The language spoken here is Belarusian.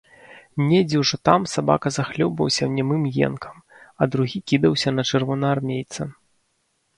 Недзе ўжо там сабака захлёбваўся немым енкам, а другі кідаўся на чырвонаармейца.